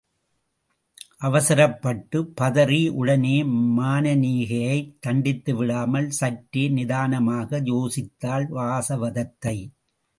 அவசரப்பட்டுப் பதறி உடனே மானனீகையைத் தண்டித்துவிடாமல், சற்றே நிதானமாக யோசித்தாள் வாசவதத்தை.